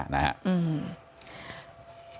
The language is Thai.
๑๑๕๕นะครับ